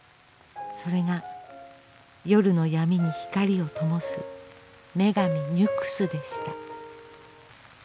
それが夜の闇に光をともす「女神ニュクス」でした。